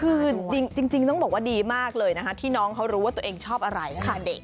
คือจริงต้องบอกว่าดีมากเลยนะคะที่น้องเขารู้ว่าตัวเองชอบอะไรตั้งแต่เด็ก